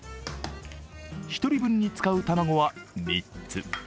１人分に使う卵は３つ。